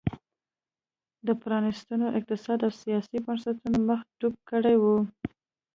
د پرانیستو اقتصادي او سیاسي بنسټونو مخه ډپ کړې وه.